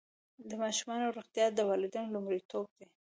د ماشومانو روغتیا د والدینو لومړیتوب دی.